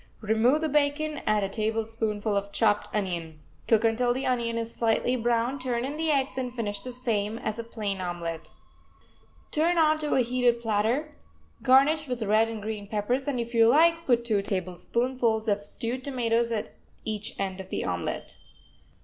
Remove the bacon, add a tablespoonful of chopped onion. Cook until the onion is slightly brown, turn in the eggs and finish the same as a plain omelet. Turn onto a heated platter, garnish with red and green peppers, and, if you like, put two tablespoonfuls of stewed tomatoes at each end of the omelet.